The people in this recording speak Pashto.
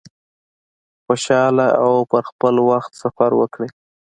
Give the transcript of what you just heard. خوشحاله او په خپل وخت سفر وکړی.